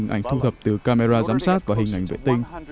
hình ảnh thu thập từ camera giám sát và hình ảnh vệ tinh